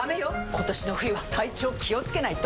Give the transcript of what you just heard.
今年の冬は体調気をつけないと！